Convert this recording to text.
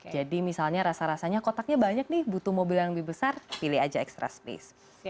jadi misalnya rasa rasanya kotaknya banyak nih butuh mobil yang lebih besar pilih aja extra space